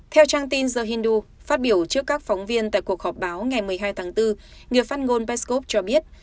theo trang tin giờ hydu phát biểu trước các phóng viên tại cuộc họp báo ngày một mươi hai tháng bốn người phát ngôn peskov cho biết